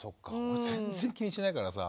俺全然気にしないからさ。